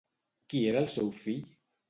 Qui era el seu fill?